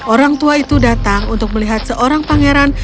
orang tua itu datang untuk melihat seorang pangeran